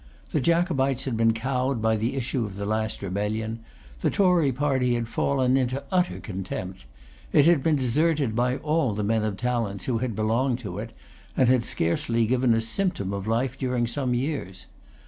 The Jacobites had been cowed by the issue of the last rebellion. The Tory party had fallen into utter contempt. It had been deserted by all the men of talents who had belonged to it, and had scarcely given a symptom of life during some years.